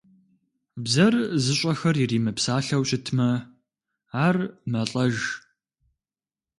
Бзэр зыщӀэхэр иримыпсалъэу щытмэ, ар мэлӀэж.